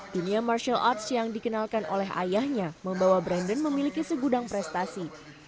dunia martial arts yang dikenalkan oleh ayahnya membawa brandon memiliki segudang prestasi